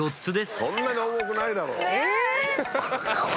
そんなに重くないだろ。